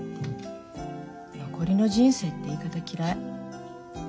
残りの人生って言い方嫌い。